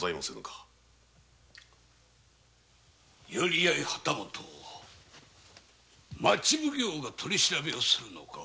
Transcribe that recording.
寄合旗本を町奉行が取り調べをするのか。